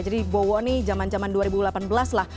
jadi bowo nih zaman zaman dua ribu delapan belas lah